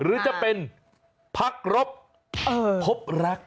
หรือจะเป็นพักรบพบรัก